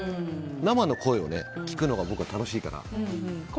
生の声を聞くのが僕は楽しいから。